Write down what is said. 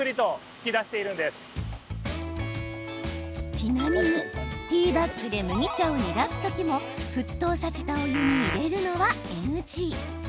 ちなみに、ティーバッグで麦茶を煮出す時も沸騰させたお湯に入れるのはＮＧ。